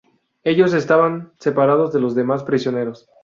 Ellos estaban separados de los demás prisioneros.